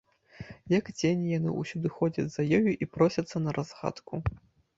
Як цені, яны ўсюды ходзяць за ёю і просяцца на разгадку.